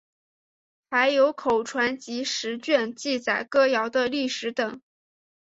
还有口传集十卷记载歌谣的历史等。